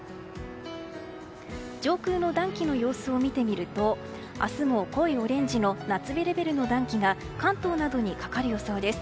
上空の暖気の様子を見てみると明日も濃いオレンジの夏日レベルの暖気が関東などにかかる予想です。